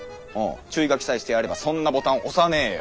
注意書きさえしてあればそんなボタン押さねーよ。